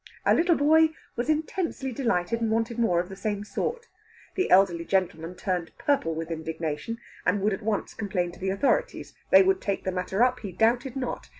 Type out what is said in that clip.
A little boy was intensely delighted, and wanted more of the same sort. The elderly gentleman turned purple with indignation, and would at once complain to the authorities. They would take the matter up, he doubted not.